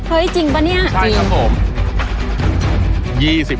เฮ้ยจริงปะนี่จริงใช่ครับผมจริง